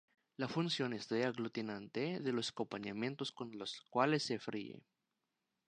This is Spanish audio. La función es de aglutinante de los acompañamientos con los cuales se fríe.